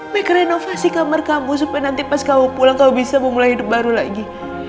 mikir renovasi kamar kamu supaya nanti pas kamu pulang kau bisa memulai hidup baru lagi